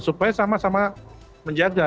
supaya sama sama menjaga